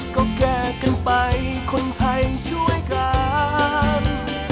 ก็แก้กันไปคนไทยช่วยกัน